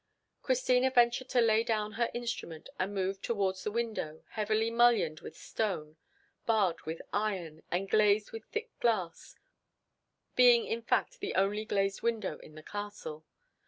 Christina ventured to lay down her instrument and move towards the window, heavily mullioned with stone, barred with iron, and glazed with thick glass; being in fact the only glazed window in the castle.